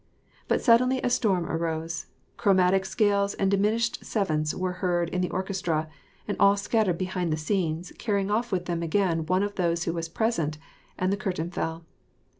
But suddenly a storm arose. Chromatic scales and diminished sevenths were heard in the orchestra, and all scattered behind the scenes, carrying off with them again one of those who was present, and the curtain fell.